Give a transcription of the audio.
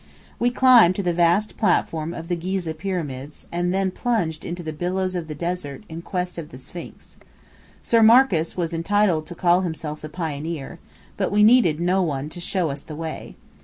We climbed to the vast platform of the Ghizeh Pyramids, and then plunged into the billows of the desert, in quest of the Sphinx. Sir Marcus was entitled to call himself the pioneer, but we needed no one to show us the way.